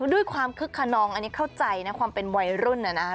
ด้วยความคึกขนองอันนี้เข้าใจนะความเป็นวัยรุ่นนะฮะ